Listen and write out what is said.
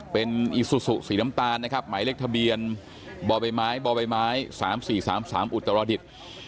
เป็นอิสุสุสีน้ำตาลนะครับไหมเล็กทะเบียนบ่อใบไม้บ่อใบไม้สามสี่สามสามอุตรดิต